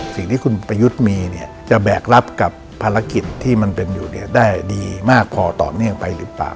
สิ่งที่คุณประยุทธ์มีเนี่ยจะแบกรับกับภารกิจที่มันเป็นอยู่เนี่ยได้ดีมากพอต่อเนื่องไปหรือเปล่า